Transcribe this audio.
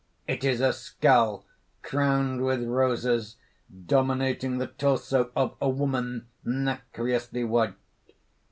_ _It is a skull, crowned with roses, dominating the torso of a woman nacreously white.